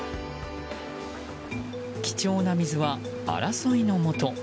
貴重な水は争いのもと。